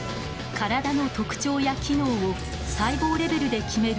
体の特徴や機能を細胞レベルで決める